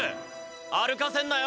歩かせんなよ！